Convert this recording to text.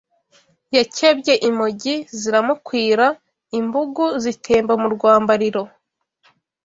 Yakebye imongi ziramukwira Imbugu zitemba mu rwambariro